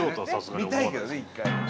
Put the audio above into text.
見たいけどね１回。